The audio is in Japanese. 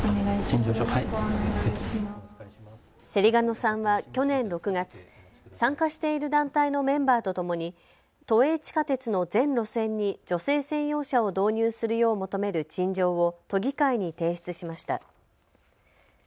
芹ヶ野さんは去年６月、参加している団体のメンバーとともに都営地下鉄の全路線に女性専用車を導入するよう求める陳情を都議会に提出しました。